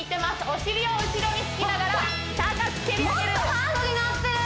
お尻を後ろに引きながら高く蹴り上げるもっとハードになってる！